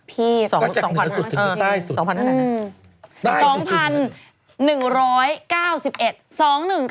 พี่จากเหนือสุดถึงใต้สุด